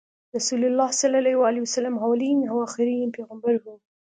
رسول الله ص اولین او اخرین پیغمبر وو۔